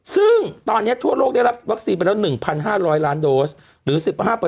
ซึ่งตอนนี้ทั่วโลกได้รับวัคซีนไปแล้ว๑๕๐๐ล้านโดสหรือ๑๕